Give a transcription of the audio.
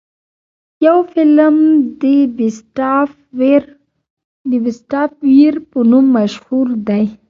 يو فلم The Beast of War په نوم مشهور دے.